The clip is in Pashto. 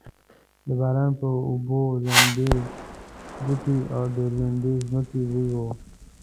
د باران په اوبو لمدې بوټې او د لوندې ځمکې بوی و.